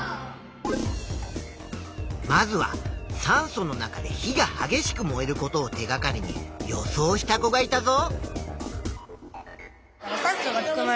まずは酸素の中で火がはげしく燃えることを手がかりに予想した子がいたぞ。